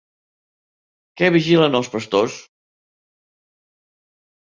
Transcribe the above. Què vigilen els pastors?